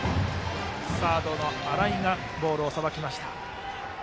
サードの新井がボールをさばきました。